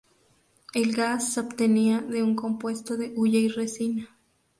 El gas se obtenía de un compuesto de hulla y resina.